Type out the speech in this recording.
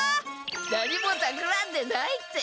何もたくらんでないって。